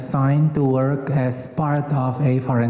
di inggris atau di luar negeri